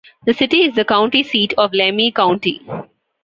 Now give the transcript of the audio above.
The city is the county seat of Lemhi County.